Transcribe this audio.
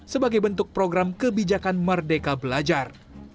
sebagai bentuk program kebijakan merdeka belajar